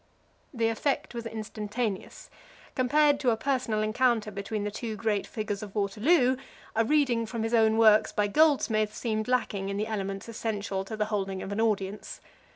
The effect was instantaneous. Compared to a personal encounter between the two great figures of Waterloo, a reading from his own works by Goldsmith seemed lacking in the elements essential to the holding of an audience.